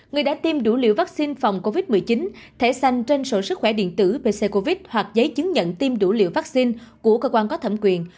người đã tiêm đủ liều vắc xin phòng covid một mươi chín thẻ xanh trên sổ sức khỏe điện tử hoặc giấy chứng nhận tiêm đủ liều vắc xin của cơ quan có thẩm quyền